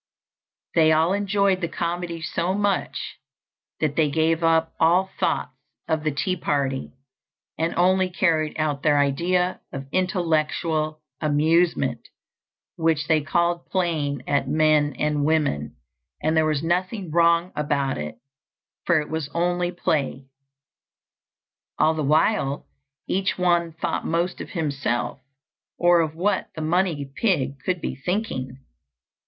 They all enjoyed the comedy so much, that they gave up all thoughts of the tea party, and only carried out their idea of intellectual amusement, which they called playing at men and women; and there was nothing wrong about it, for it was only play. All the while, each one thought most of himself, or of what the money pig could be thinking.